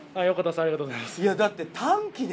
ありがとうございます。